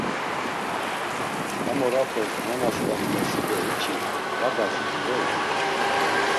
Ham orapes nanasǩani Nesibe hiç̌i va gaziru hoi?